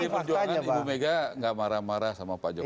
tapi di perjuangan ibu mega nggak marah marah sama pak jokowi